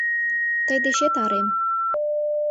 Тый дечет арем.